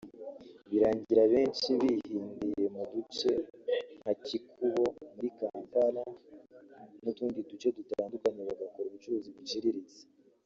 birangira abenshi bihindiye mu duce nka Kikuubo muri Kampala n’utundi duce dutandukanye bagakora ubucuruzi buciriritse